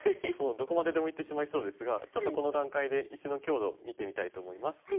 どこまででもいってしまいそうですがちょっとこの段階で石の強度を見てみたいと思います。